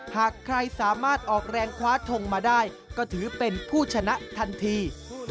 หากใครสามารถออกแรงคว้าทงมาได้ก็ถือเป็นผู้ชนะทันที